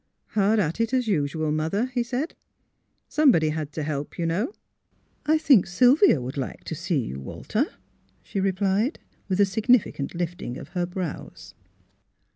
" Hard at it, as usual. Mother," he said. *' Somebody had to help, you know." " I think Sylvia would like to see you, Walter," she replied, with a significant lifting of her brows.